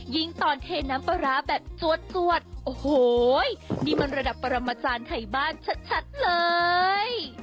ตอนเทน้ำปลาร้าแบบจวดโอ้โหนี่มันระดับปรมาจารย์ไทยบ้านชัดเลย